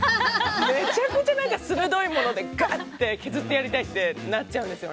めちゃくちゃ鋭いもので削ってやりたくなっちゃう。